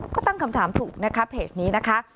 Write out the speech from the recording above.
ก็ตั้งคำถามถูกนะคะเพจนี้นะคะ